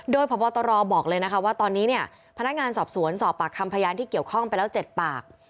โดยพบตรบอกเลยนะคะว่าตอนนี้เนี่ยพนักงานสอบสวนสอบปากคำพยานที่เกี่ยวข้องไปแล้ว๗ปาก